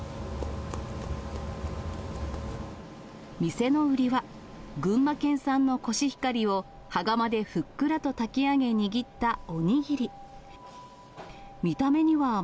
店の売りは、群馬県産のコシヒカリを羽釜でふっくらと炊き上げ、握ったお握り。